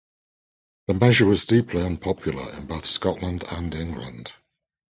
The measure was deeply unpopular in both Scotland and England.